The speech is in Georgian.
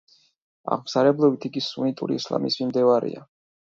აღმსარებლობით იგი სუნიტური ისლამის მიმდევარია.